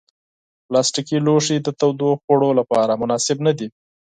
پلاستيکي لوښي د تودو خوړو لپاره مناسب نه دي.